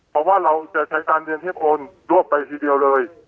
เพราะว่าเราจะใช้การเรียนให้คนรวบไปทีเดียวเลย